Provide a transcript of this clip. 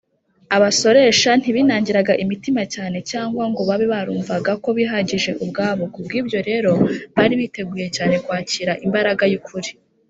abasoresha ntibinangiraga imitima cyane cyangwa ngo babe barumvaga ko bihagije ubwabo, kubw’ibyo rero bari biteguye cyane kwakira imbaraga y’ukuri